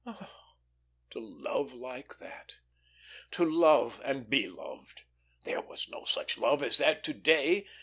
Ah, to love like that! To love and be loved. There was no such love as that to day.